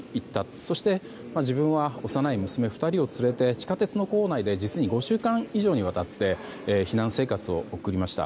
そして自分は幼い娘２人を連れて地下鉄の構内で実に５週間以上にわたって避難生活を送りました。